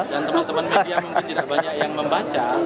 dan teman teman media mungkin tidak banyak yang membaca